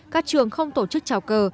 các trường không tổ chức trào cờ